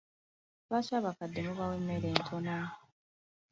Lwaki abakadde mubawa emmere ntono?